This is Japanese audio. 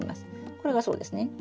これがそうですね。